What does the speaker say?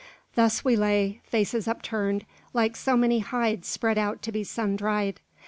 Thus we lay, faces upturned, like so many hides spread out to be sun dried.